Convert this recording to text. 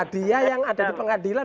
dia yang ada di pengadilan